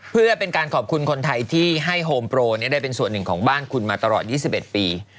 เพื่อเป็นการขอบคุณคนไทยที่ให้โฮมโปรได้เป็นส่วนหนึ่งของบ้านคุณมาตลอด๒๑ปี